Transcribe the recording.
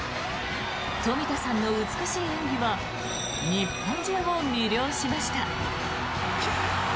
冨田さんの美しい演技は日本中を魅了しました。